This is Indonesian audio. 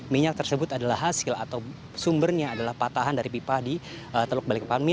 minyak tersebut adalah hasil atau sumbernya adalah patahan dari pipa di teluk balikpapan